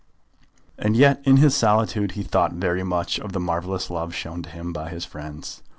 And yet in his solitude he thought very much of the marvellous love shown to him by his friends.